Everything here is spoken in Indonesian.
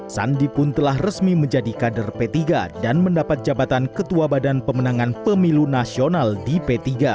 sandi pun telah resmi menjadi kader p tiga dan mendapat jabatan ketua badan pemenangan pemilu nasional di p tiga